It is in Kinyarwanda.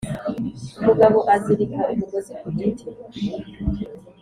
Umugabo azirika umugozi ku giti